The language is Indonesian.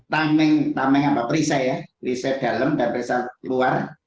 tameng perisai perisai dalam dan perisai luar